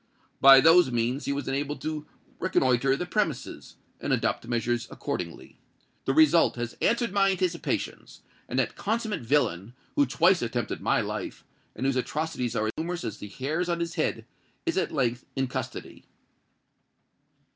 By those means he was enabled to reconnoitre the premises, and adopt measures accordingly. The result has answered my anticipations; and that consummate villain, who twice attempted my life, and whose atrocities are numerous as the hairs on his head, is at length in custody."